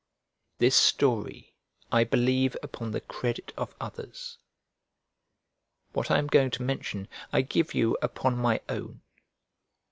This story I believe upon the credit of others; what I am going to mention, I give you upon my own.